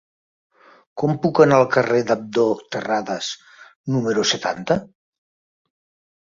Com puc anar al carrer d'Abdó Terradas número setanta?